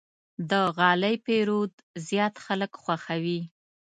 د غالۍ پېرود زیات خلک خوښوي.